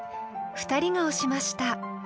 ２人が推しました。